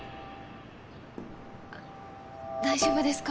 あっ大丈夫ですか？